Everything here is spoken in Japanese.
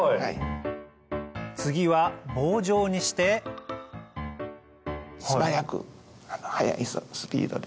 次は棒状にして素早く速いスピードで。